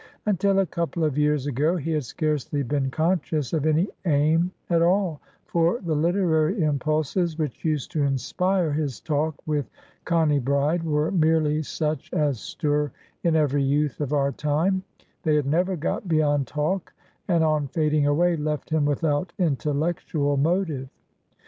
Until a couple of years ago he had scarcely been conscious of any aim at all, for the literary impulses which used to inspire his talk with Connie Bride were merely such as stir in every youth of our time; they had never got beyond talk, and, on fading away, left him without intellectual motive.